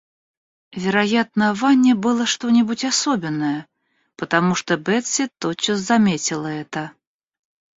Вероятно, в Анне было что-нибудь особенное, потому что Бетси тотчас заметила это.